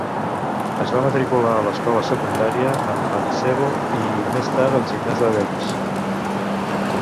Es va matricular a l'escola secundària en Pančevo, i més tard al Gimnàs de Béns.